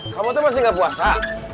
kamu tuh masih gak puasa